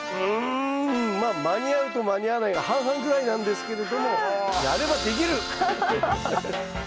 まあ間に合うと間に合わないが半々ぐらいなんですけれどもハハハハッ。